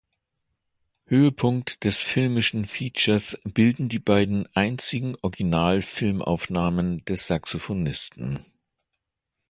Höhepunkt des filmischen Features bilden die beiden einzigen Original-Filmaufnahmen des Saxophonisten.